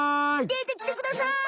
でてきてください！